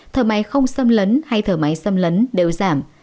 thở máy không xâm lấn hay thở máy xâm lấn đều giảm